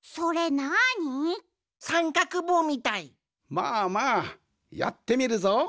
まあまあやってみるぞ。